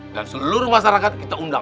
dan seluruh masyarakat kita undang